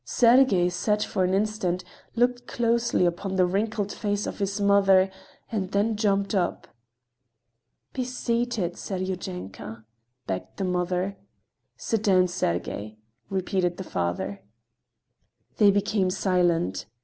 Sergey sat for an instant, looked closely upon the wrinkled face of his mother and then jumped up. "Be seated, Seryozhenka," begged the mother. "Sit down, Sergey," repeated the father. They became silent.